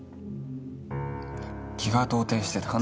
気が動転してたんです。